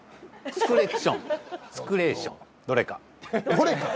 スクレクションスクレーションどれかどれか！？